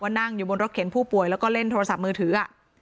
นั่งอยู่บนรถเข็นผู้ป่วยแล้วก็เล่นโทรศัพท์มือถือ